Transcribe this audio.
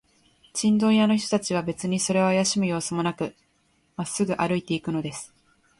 チンドン屋の人たちは、べつにそれをあやしむようすもなく、まっすぐに歩いていくのです。